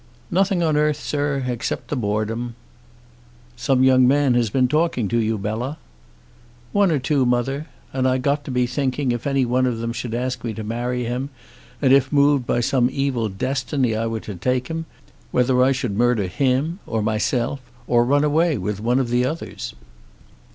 "Nothing on earth, sir, except the boredom." "Some young man has been talking to you, Bella." "One or two, mother; and I got to be thinking if any one of them should ask me to marry him, and if moved by some evil destiny I were to take him, whether I should murder him, or myself, or run away with one of the others."